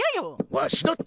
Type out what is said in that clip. わしだって。